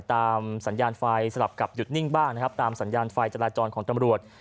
สัญญาณไฟสลับกับหยุดนิ่งบ้างนะครับตามสัญญาณไฟจราจรของตำรวจ